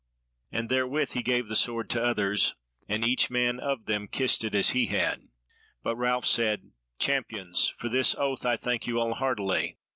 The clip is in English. And therewith he gave the sword to the others, and each man of them kissed it as he had. But Ralph said: "Champions, for this oath I thank you all heartily.